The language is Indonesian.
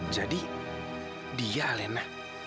jadi dia alena